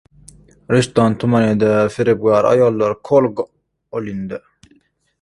Rishton tumanida firibgar ayollar qo‘lga olindi